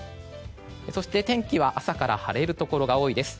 そして、天気は朝から晴れるところが多いです。